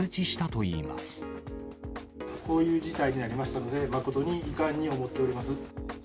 こういう事態になりましたので、誠に遺憾に思っております。